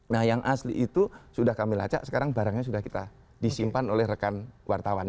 nah yang asli itu sudah kami lacak sekarang barangnya sudah kita disimpan oleh rekan wartawan